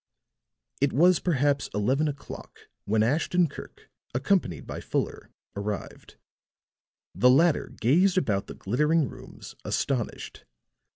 It was perhaps eleven o'clock when Ashton Kirk, accompanied by Fuller, arrived. The latter gazed about the glittering rooms, astonished.